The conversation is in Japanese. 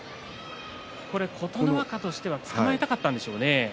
琴ノ若としてはつかまえたかったんでしょうね。